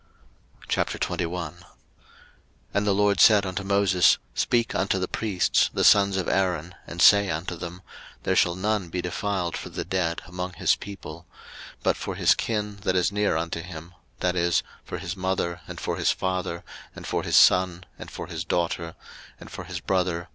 03:021:001 And the LORD said unto Moses, Speak unto the priests the sons of Aaron, and say unto them, There shall none be defiled for the dead among his people: 03:021:002 But for his kin, that is near unto him, that is, for his mother, and for his father, and for his son, and for his daughter, and for his brother.